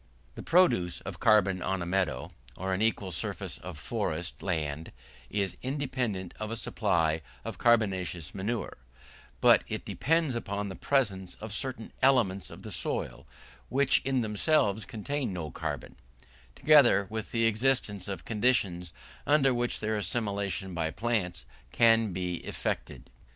The produce of carbon on a meadow, or an equal surface of forest land, is independent of a supply of carbonaceous manure, but it depends upon the presence of certain elements of the soil which in themselves contain no carbon, together with the existence of conditions under which their assimilation by plants can be effected.